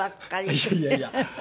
いやいやいや。